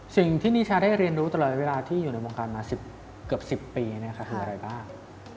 นิชาได้เรียนรู้ตลอดเวลาที่อยู่ในวงการมาเกือบ๑๐ปีคืออะไรบ้าง